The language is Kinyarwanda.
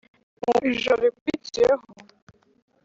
Mu ijoro rikurikiyeho,